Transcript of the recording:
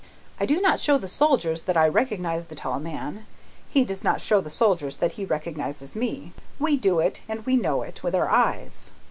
"I do not show the soldiers that I recognise the tall man; he does not show the soldiers that he recognises me; we do it, and we know it, with our eyes.